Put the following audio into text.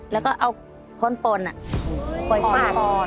แล้วก็เอาข้นปลนโคยฟาด